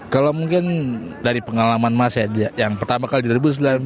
kalau mungkin dari pengalaman mas ya yang pertama kali dua ribu sembilan